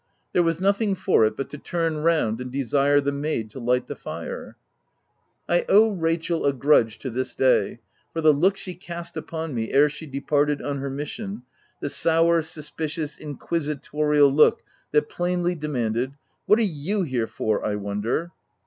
There was nothing for it but to turn round and desire the maid to light the fire. 204 THE TENANT 1 owe Rachel a grudge to this day for the look she cast upon me ere she departed on her mission — the sour, suspicious, inquisitorial look that plainly demanded, u what are you here for, I wonder